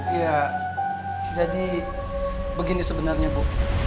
iya jadi begini sebenarnya bu